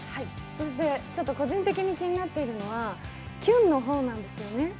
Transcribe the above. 続いて気になっているのはキュンの方なんですよね。